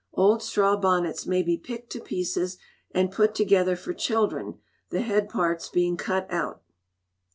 Old straw bonnets may be picked to pieces, and put together for children, the head parts being cut out.